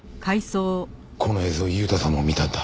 この映像悠太さんも見たんだ。